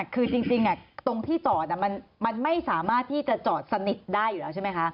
คือจริงตรงที่จอดมันไม่สามารถที่จะจอดสนิทได้อยู่แล้วใช่ไหมคะ